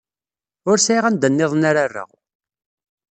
Ur sɛiɣ anda nniḍen ara rreɣ.